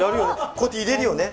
こうやって入れるよね。